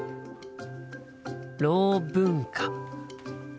ろう文化。